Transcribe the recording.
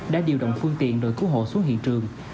đã điều động phương tiện đội cứu hộ xuống hiện trường